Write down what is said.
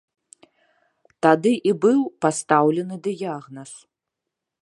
Тады і быў пастаўлены дыягназ.